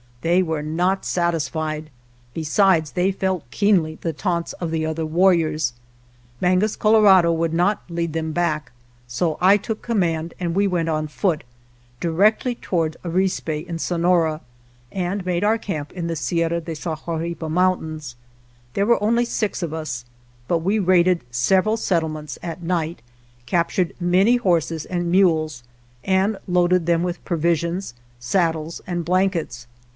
They were not satisfied, besides they felt keenly the taunts of the other warriors. Mangus Colorado would not lead them back, so I took command and we went on foot, directly toward Arispe in Sonora, and made our camp in the Sierra de 82 VARYING FORTUNES Sahuripa Mountains. There were only six of us, but we raided several settlements (at night), captured many horses and mules, and loaded them with provisions, saddles and blankets.